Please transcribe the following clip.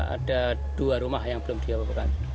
ada dua rumah yang belum diapa apa kan